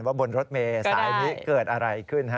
บนรถเมย์สายนี้เกิดอะไรขึ้นฮะ